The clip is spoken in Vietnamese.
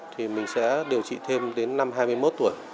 thì mình sẽ điều trị thêm đến năm hai mươi một tuổi